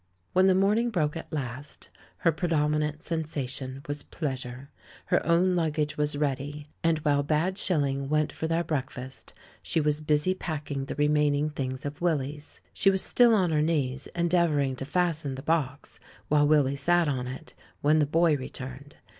When the morning broke at last, her predom inant sensation was pleasure. Her own luggage was ready, and while Bad Shilling went for their breakfast she was busy packing the remaining things of Willy's. She was still on her knees, endeavouring to fasten the box, while Willy sat on it, when the Boy returned.